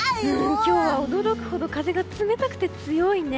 今日は驚くほど風が冷たくて強いね。